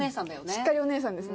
しっかりお姉さんですね。